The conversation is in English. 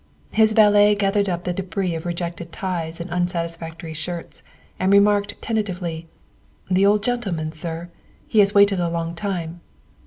His valet gathered up the debris of rejected ties and unsatisfactory shirts and remarked tenta tively :" The old gentleman, sir? He has waited a long time."